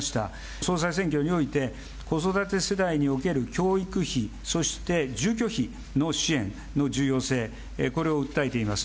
総裁選挙において、子育て世代における教育費、そして住居費の支援の重要性、これを訴えています。